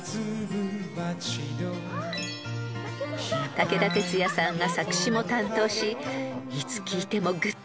［武田鉄矢さんが作詞も担当し「いつ聴いてもグッとくる！」